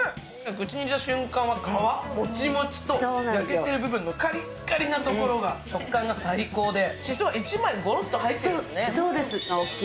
口に入れた瞬間は、皮のもちもちと焼けてる部分のカリッカリなところの食感が最高でしそが１枚ゴロッと入っているんですね。